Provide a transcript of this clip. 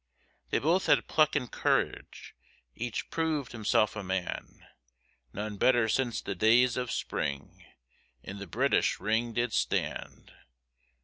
They both had pluck and courage, Each proved himself a man, None better since the days of Spring In the British ring did stand.